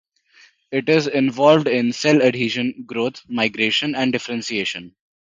It is involved in cell adhesion, growth, migration, and differentiation.